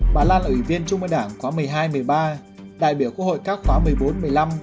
bà lan là ủy viên trung môi đảng khoảng một mươi hai một mươi ba đại biểu quốc hội các khoảng một mươi bốn một mươi năm